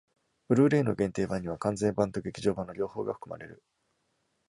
Blu-ray の限定版には、完全版と劇場版の両方が含まれる。